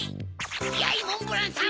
やいモンブランさん！